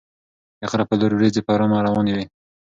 د غره په لور ورېځې په ارامه روانې وې.